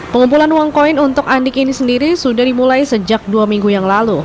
pengumpulan uang koin untuk andik ini sendiri sudah dimulai sejak dua minggu yang lalu